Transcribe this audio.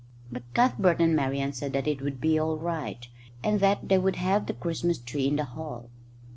But Cuthbert and Marian said that it would be all right, and that they would have the Christmas tree in the hall.